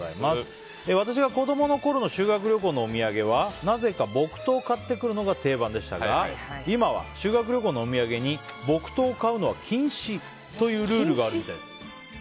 私が子供のころの修学旅行のお土産はなぜか木刀を買ってくるのが定番でしたが今は修学旅行のお土産に木刀を買うのは禁止というルールがある。